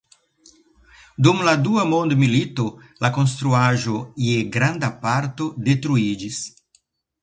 Dum la Dua Mondmilito la konstruaĵo je granda parto detruiĝis.